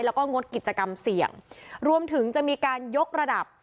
แล้วก็งดกิจกรรมเสี่ยงรวมถึงจะมีการยกระดับ